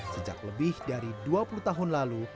sejak lebih dari dua puluh tahun lalu